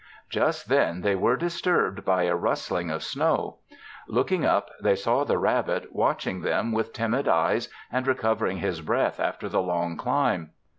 Just then they were disturbed by a rustling of snow. Looking up, they saw the rabbit, watching them with timid eyes and recovering his breath after the long climb.